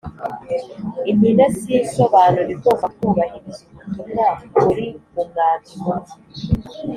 impine si insobanuro igomba kubahiriza ubutumwa buri mu mwandiko